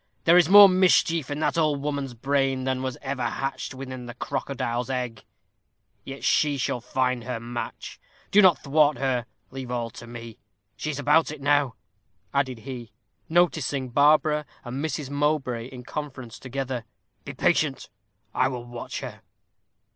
There is more mischief in that old woman's brain than was ever hatched within the crocodile's egg; yet she shall find her match. Do not thwart her; leave all to me. She is about it now," added he, noticing Barbara and Mrs. Mowbray in conference together. "Be patient I will watch her."